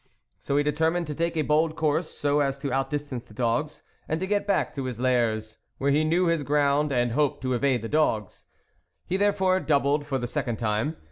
So he determined to take a bold course so as to out distance the dogs, and to get back to his lairs, where he knew his ground and hoped to evade the dogs. He there fore doubled for the second time.